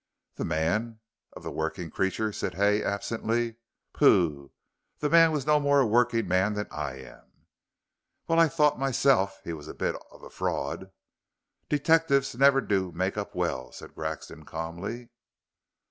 "That man of the working creature," said Hay, absently. "Pooh, the man was no more a working man than I am." "Well, I thought myself he was a bit of a fraud." "Detectives never do make up well," said Grexon, calmly.